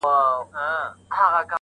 يا هم د نيګوګي په باور